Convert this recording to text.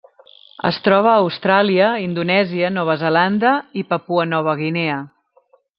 Es troba a Austràlia, Indonèsia, Nova Zelanda i Papua Nova Guinea.